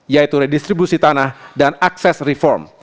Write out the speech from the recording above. yaitu redistribusi tanah dan akses reform